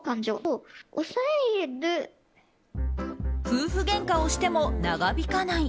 夫婦げんかをしても長引かない。